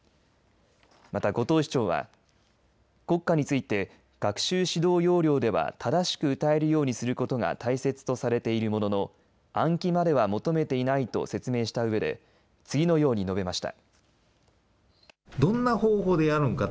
また、後藤市長は国歌について学習指導要領では正しく歌えるようにすることが大切とされているものの暗記までは求めていないと説明したうえで次のように述べました。